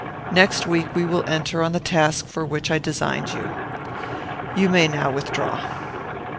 Next week we will enter on the task for which I designed you. You may now withdraw."